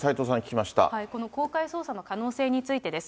この公開捜査の可能性についてです。